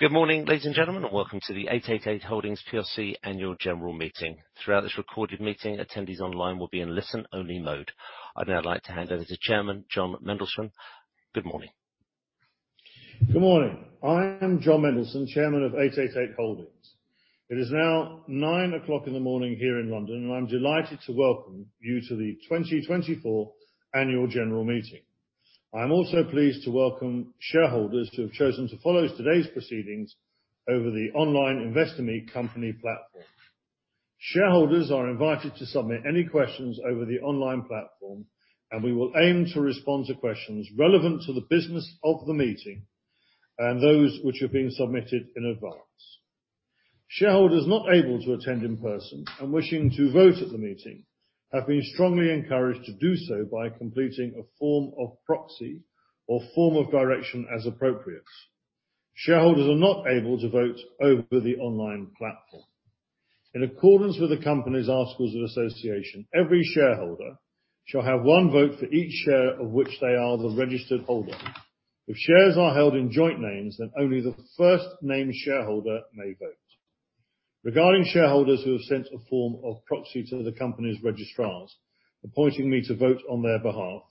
Good morning, ladies and gentlemen, and welcome to the 888 Holdings plc Annual General Meeting. Throughout this recorded meeting, attendees online will be in listen-only mode. I'd now like to hand over to Chairman Jon Mendelsohn. Good morning. Good morning. I am Jon Mendelsohn, Chairman of 888 Holdings. It is now 9:00 A.M. here in London, and I'm delighted to welcome you to the 2024 Annual General Meeting. I'm also pleased to welcome shareholders who have chosen to follow today's proceedings over the online Investor Meet Company platform. Shareholders are invited to submit any questions over the online platform, and we will aim to respond to questions relevant to the business of the meeting and those which have been submitted in advance. Shareholders not able to attend in person and wishing to vote at the meeting have been strongly encouraged to do so by completing a form of proxy or form of direction as appropriate. Shareholders are not able to vote over the online platform. In accordance with the company's Articles of Association, every shareholder shall have one vote for each share of which they are the registered holder. If shares are held in joint names, then only the first named shareholder may vote. Regarding shareholders who have sent a Form of Proxy to the company's registrars, appointing me to vote on their behalf,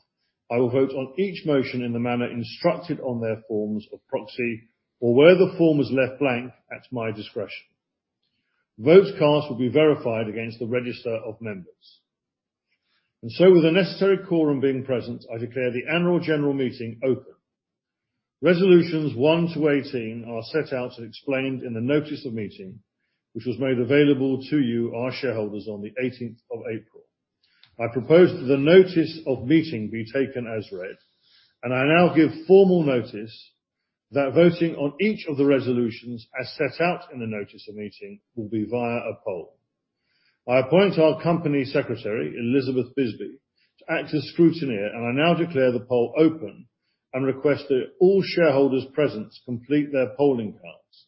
I will vote on each motion in the manner instructed on their Forms of Proxy or where the form is left blank at my discretion. Votes cast will be verified against the register of members. And so, with the necessary Quorum being present, I declare the Annual General Meeting open. Resolutions 1 to 18 are set out and explained in the notice of meeting, which was made available to you, our shareholders, on the 18th of April. I propose that the notice of meeting be taken as read, and I now give formal notice that voting on each of the resolutions as set out in the notice of meeting will be via a poll. I appoint our Company Secretary, Elizabeth Bisby, to act as scrutineer, and I now declare the poll open and request that all shareholders present complete their polling cards.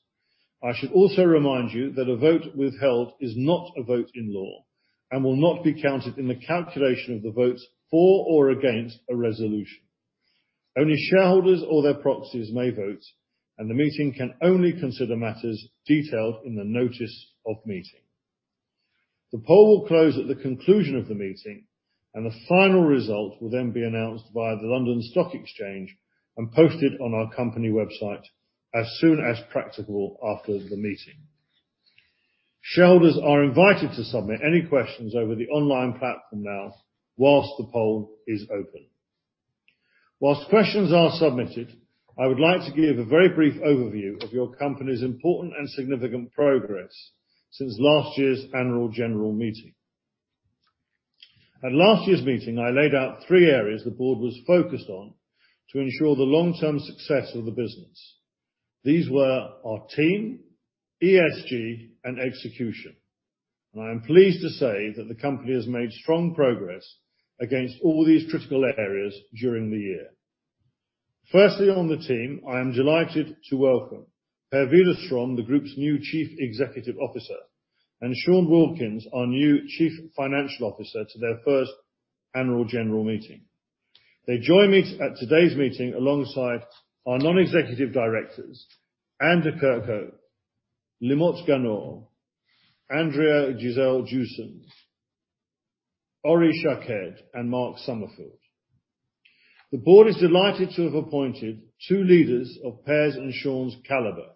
I should also remind you that a vote withheld is not a vote in law and will not be counted in the calculation of the votes for or against a resolution. Only shareholders or their proxies may vote, and the meeting can only consider matters detailed in the notice of meeting. The poll will close at the conclusion of the meeting, and the final result will then be announced via the London Stock Exchange and posted on our company website as soon as practicable after the meeting. Shareholders are invited to submit any questions over the online platform now whilst the poll is open. Whilst questions are submitted, I would like to give a very brief overview of your company's important and significant progress since last year's Annual General Meeting. At last year's meeting, I laid out three areas the board was focused on to ensure the long-term success of the business. These were our team, ESG, and execution, and I am pleased to say that the company has made strong progress against all these critical areas during the year. Firstly, on the team, I am delighted to welcome Per Widerström, the group's new Chief Executive Officer, and Sean Wilkins, our new Chief Financial Officer, to their first Annual General Meeting. They join me at today's meeting alongside our non-executive directors, Anne de Kerckhove, Limor Ganot, Andrea Gisle Joosen, Ori Shaked, and Mark Summerfield. The board is delighted to have appointed two leaders of Per's and Sean's caliber.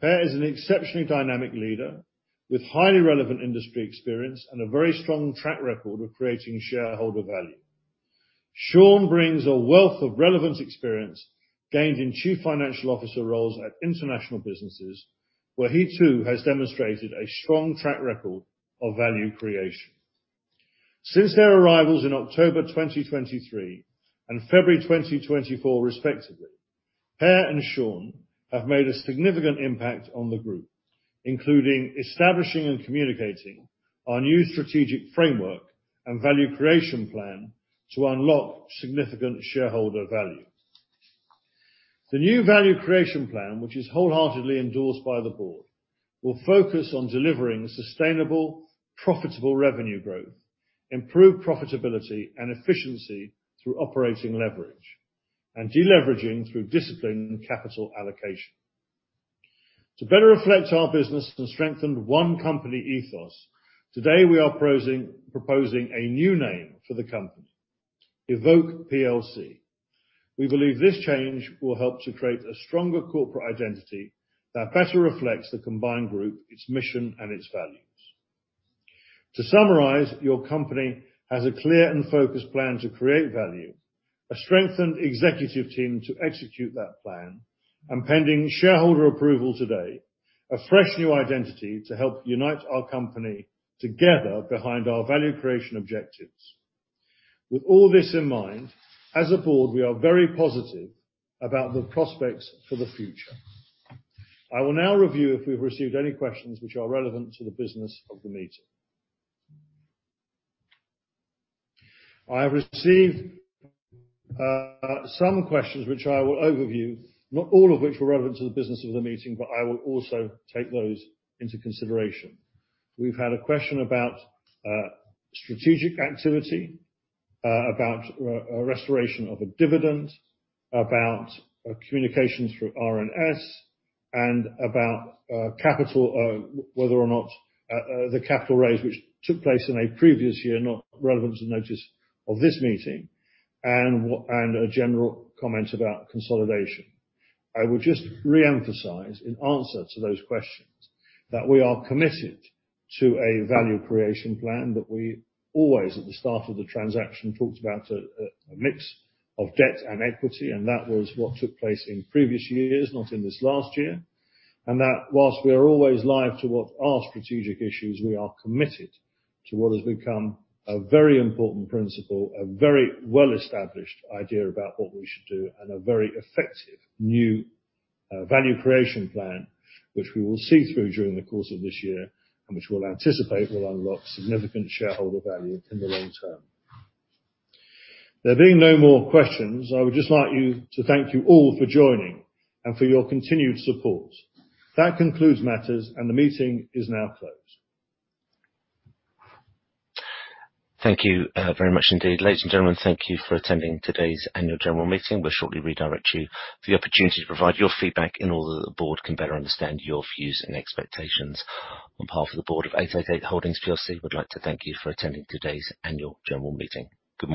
Per is an exceptionally dynamic leader with highly relevant industry experience and a very strong track record of creating shareholder value. Sean brings a wealth of relevant experience gained in Chief Financial Officer roles at international businesses, where he too has demonstrated a strong track record of value creation. Since their arrivals in October 2023 and February 2024, respectively, Per and Sean have made a significant impact on the group, including establishing and communicating our new strategic framework and Value Creation Plan to unlock significant shareholder value. The new Value Creation Plan, which is wholeheartedly endorsed by the board, will focus on delivering sustainable, profitable revenue growth, improved profitability and efficiency through operating leverage, and deleveraging through disciplined capital allocation. To better reflect our business and strengthen one company ethos, today we are proposing a new name for the company: evoke plc. We believe this change will help to create a stronger corporate identity that better reflects the combined group, its mission, and its values. To summarize, your company has a clear and focused plan to create value, a strengthened executive team to execute that plan, and pending shareholder approval today, a fresh new identity to help unite our company together behind our value creation objectives. With all this in mind, as a board, we are very positive about the prospects for the future. I will now review if we've received any questions which are relevant to the business of the meeting. I have received some questions which I will overview, not all of which were relevant to the business of the meeting, but I will also take those into consideration. We've had a question about strategic activity, about a restoration of a dividend, about communications through RNS, and about capital, whether or not the capital raise which took place in a previous year, not relevant to the notice of this meeting, and a general comment about consolidation. I would just re-emphasize in answer to those questions that we are committed to a value creation plan that we always at the start of the transaction talked about a mix of debt and equity, and that was what took place in previous years, not in this last year, and that whilst we are always live to what are strategic issues, we are committed to what has become a very important principle, a very well-established idea about what we should do, and a very effective new value creation plan which we will see through during the course of this year and which we'll anticipate will unlock significant shareholder value in the long term. There being no more questions, I would just like you to thank you all for joining and for your continued support. That concludes matters, and the meeting is now closed. Thank you, very much indeed. Ladies and gentlemen, thank you for attending today's Annual General Meeting. We'll shortly redirect you for the opportunity to provide your feedback in order that the board can better understand your views and expectations. On behalf of the board of 888 Holdings plc, we'd like to thank you for attending today's Annual General Meeting. Good morning.